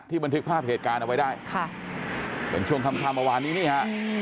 ที่บันทึกภาพเหตุการณ์เอาไว้ได้ค่ะเป็นช่วงคำประวัตินี้นี่ฮะ